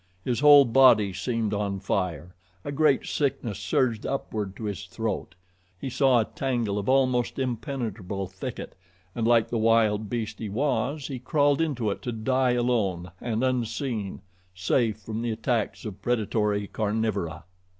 His whole body seemed on fire, a great sickness surged upward to his throat. He saw a tangle of almost impenetrable thicket, and, like the wild beast he was, he crawled into it to die alone and unseen, safe from the attacks of predatory carnivora.